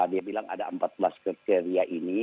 dia bilang ada empat belas kriteria ini